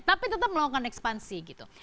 tapi tetap melakukan ekspansi gitu